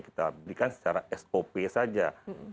kita berikan secara sop saja